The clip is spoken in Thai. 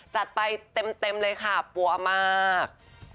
จัดไปเต็มเลยค่ะปั๊วมาก